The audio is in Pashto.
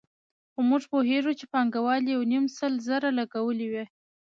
خو موږ پوهېږو چې پانګوال یو نیم سل زره لګولي وو